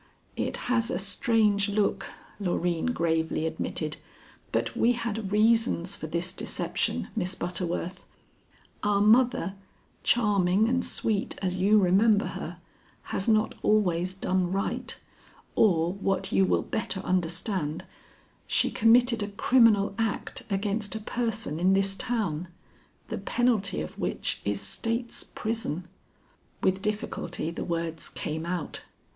"It has a strange look," Loreen gravely admitted; "but we had reasons for this deception, Miss Butterworth. Our mother, charming and sweet as you remember her, has not always done right, or, what you will better understand, she committed a criminal act against a person in this town, the penalty of which is state's prison." With difficulty the words came out.